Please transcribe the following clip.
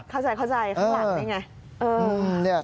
เข้าใจข้างหลังได้ไง